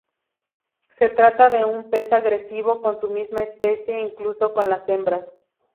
Se trata de un pez agresivo con su misma especie, incluso con las hembras.